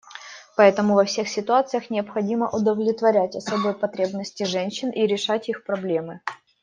Поэтому во всех ситуациях необходимо удовлетворять особые потребности женщин и решать их проблемы.